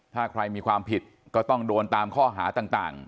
ถ้าใครมีความผิดก็ต้องโดนตามข้อหาต่าง